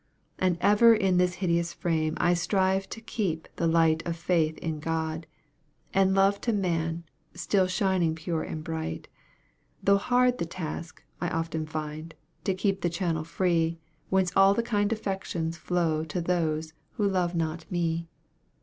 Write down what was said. And ever in this hideous frame I strive to keep the light Of faith in God, and love to man, still shining pure and bright; Though hard the task, I often find, to keep the channel free Whence all the kind affections flow to those who love not me.